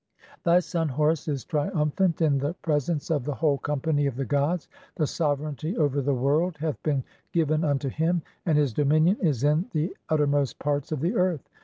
"Thy son Horus is triumphant in the presence (i3) of the "whole company of the gods, the sovereignty over the world "hath been given unto him, and his dominion is in the utter "most parts of the earth.